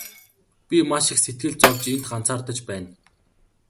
Би маш их сэтгэл зовж энд ганцаардаж байна.